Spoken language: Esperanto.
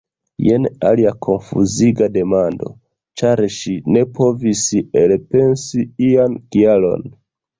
Jen alia konfuziga demando! Ĉar ŝi ne povis elpensi ian kialon.